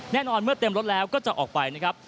เมื่อเต็มรถแล้วก็จะออกไปนะครับ